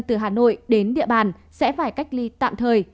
từ hà nội đến địa bàn sẽ phải cách ly tạm thời